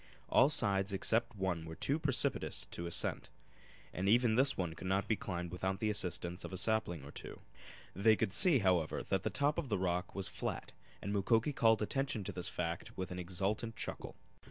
All sides except one were too precipitous for ascent, and even this one could not be climbed without the assistance of a sapling or two. They could see, however, that the top of the, rock was flat, and Mukoki called attention to this fact with an exultant chuckle.